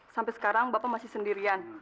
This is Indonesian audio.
sampai sekarang bapak masih sendirian